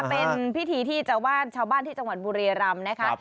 เป็นพิธีที่ชาวบ้านที่จังหวัดบุรียรำนะคะ